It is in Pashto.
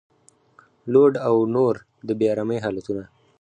لوډ او نور د بې ارامۍ حالتونه